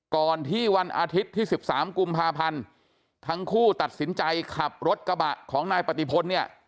ก่อนที่วันอาทิตย์ที่๑๓กุมภาพันธ์ทั้งคู่ตัดสินใจขับรถกระบะของนายปฏิพลเนี่ย